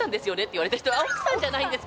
言われた人も、奥さんじゃないんです